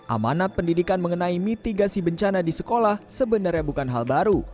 amanat pendidikan mengenai mitigasi bencana di sekolah sebenarnya bukan hal baru